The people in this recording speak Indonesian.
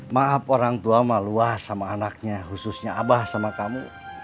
maaf orang tua mah luas sama anaknya khususnya abah sama kamu